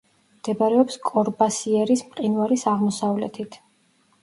მდებარეობს კორბასიერის მყინვარის აღმოსავლეთით.